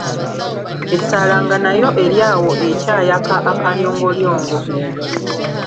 Ettaala nga nayo eri awo ekyayaka akalyolyongo.